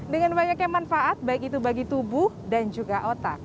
dengan banyaknya manfaat baik itu bagi tubuh dan juga otak